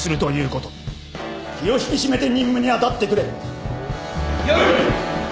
気を引き締めて任務に当たってくれ。